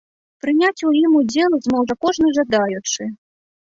Прыняць у ім удзел зможа кожны жадаючы.